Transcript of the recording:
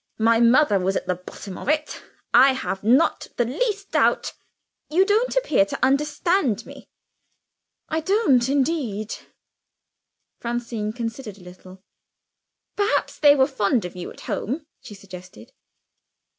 My mother was at the bottom of it, I have not the least doubt. You don't appear to understand me." "I don't, indeed!" Francine considered a little. "Perhaps they were fond of you at home," she suggested.